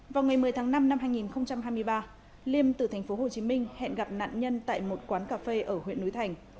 vào ngày một mươi tháng năm năm hai nghìn hai mươi ba liêm từ tp hcm hẹn gặp nạn nhân tại một quán cà phê ở huyện núi thành